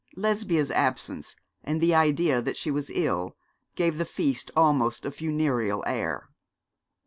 Lesbia's absence, and the idea that she was ill, gave the feast almost a funereal air.